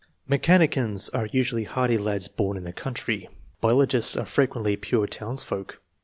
Mecha nicians are usually hardy lads born in the country, biologists are frequently pure townsfolk.